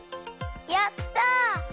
やった！